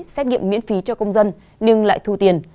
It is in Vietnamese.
xét nghiệm miễn phí cho công dân nhưng lại thu tiền